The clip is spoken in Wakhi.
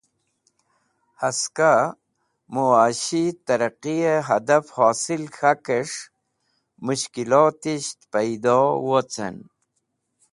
Haska Muashi Tarraqiye Hadaf Hosil k̃hakes̃h Mushkilotisht paido wocen.